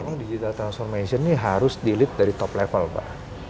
nah digital transformation ini harus dilit dari top level mbak